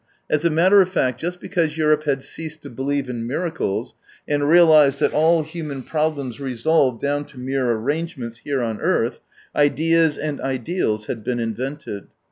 As a matter of fact, just because Europe had ceased to believe in miracles, and realised that all human problems resolve down to mere arrangements here on earth, ideas and ideals had been invented.